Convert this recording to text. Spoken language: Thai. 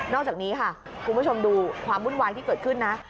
อกจากนี้ค่ะคุณผู้ชมดูความวุ่นวายที่เกิดขึ้นนะ